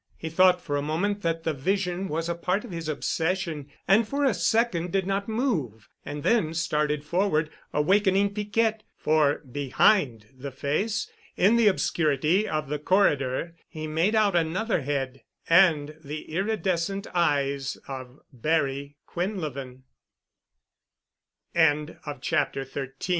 He thought for a moment that the vision was a part of his obsession and for a second did not move—and then started forward, awakening Piquette, for behind the face, in the obscurity of the corridor, he made out another head—and the iridescent eyes of Barry